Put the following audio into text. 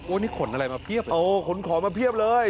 โอ้นี่ขนอะไรมาเพียบเลยนะโอ้ขนของมาเพียบเลย